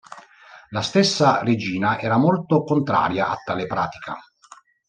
La stessa regina era molto contraria a tale pratica.